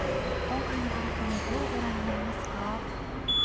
今回の取り組みどうご覧になりますか。